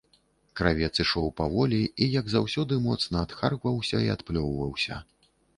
Кравец ішоў паволі і, як заўсёды, моцна адхаркваўся і адплёўваўся.